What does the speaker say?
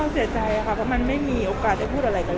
ก็เสียใจค่ะมันไม่มีโอกาสจะพูดอะไรกันเลย